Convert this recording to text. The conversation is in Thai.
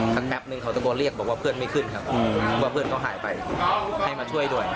แป๊บนึงเขาตะโกนเรียกบอกว่าเพื่อนไม่ขึ้นครับว่าเพื่อนเขาหายไปให้มาช่วยด้วย